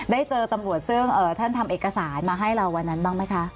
ได้เจอตำรวจซึ่งท่านทำเอกสารมาให้เราวันนั้นบ้างไหมคะ